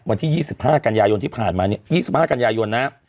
วันที่๒๕กันยายนที่ผ่านมาเนี่ย๒๕กันยายนนะ